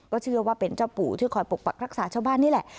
เชื่อว่าเป็นเจ้าปู่ที่คอยปกปักรักษาชาวบ้านนี่แหละ